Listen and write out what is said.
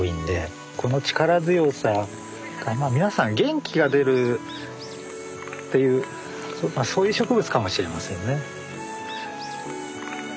皆さん元気が出るっていうそういう植物かもしれませんね。